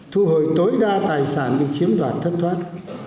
thu hồi tối đa tài sản bị chiếm đoạt thất thoát